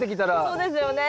そうですよね。